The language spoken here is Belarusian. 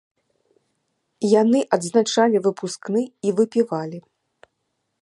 Яны адзначалі выпускны і выпівалі.